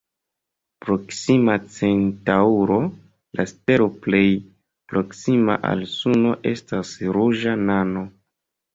Proksima Centaŭro, la stelo plej proksima al Suno, estas ruĝa nano.